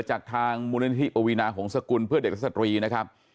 จากทางมูลนิธิปวีนาหงษกุลเพื่อเด็กและสตรีนะครับ